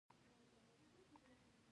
ښایست د زړه پاکوالی ښيي